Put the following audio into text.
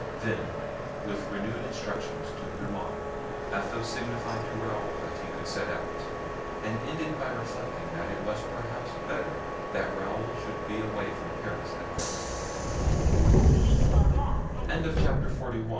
Then, with renewed instructions to Grimaud, Athos signified to Raoul that he could set out, and ended by reflecting that it was perhaps better that Raoul should be away from Paris at that mom